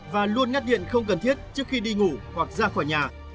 và luôn ngắt điện không cần thiết trước khi đi ngủ hoặc ra khỏi nhà